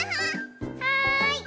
はい。